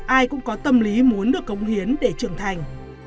ai cũng có tâm lý muốn được cống hiến để trưởng thành